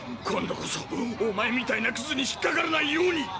今度こそおまえみたいなクズに引っかからないように！